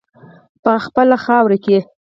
په خپله خاوره کې.